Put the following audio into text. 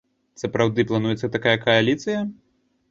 Сапраўды плануецца такая кааліцыя?